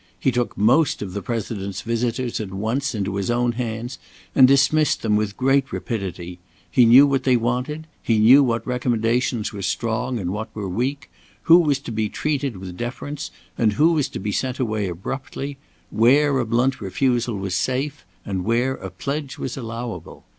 He took most of the President's visitors at once into his own hands and dismissed them with great rapidity. He knew what they wanted; he knew what recommendations were strong and what were weak; who was to be treated with deference and who was to be sent away abruptly; where a blunt refusal was safe, and where a pledge was allowable.